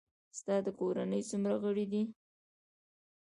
ستا د کورنۍ څومره غړي دي؟